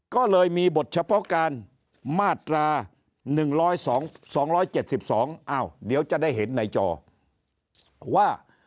ก็เลยมีบทเฉพาะการมาตรา๑๒๗๒อ้าวเดี๋ยวจะได้เห็นในจอว่า